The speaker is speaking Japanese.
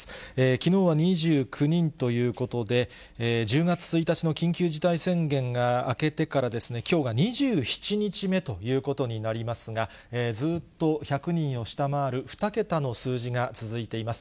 きのうは２９人ということで、１０月１日の緊急事態宣言が明けてからですね、きょうが２７日目ということになりますが、ずっと１００人を下回る２桁の数字が続いています。